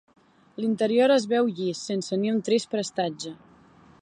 L'interior es veu llis, sense ni un trist prestatge.